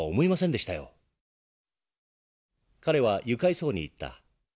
彼は愉快そうに言った。